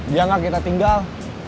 biar gak kita tinggal